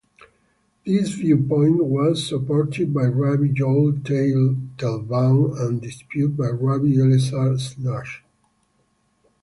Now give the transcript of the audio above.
This viewpoint was supported by Rabbi Joel Teitelbaum and disputed by Rabbi Elazar Shach.